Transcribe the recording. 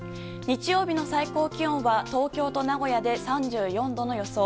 日曜日の最高気温は東京と名古屋で３４度の予想